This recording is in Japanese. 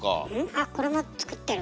あっこれも作ってる。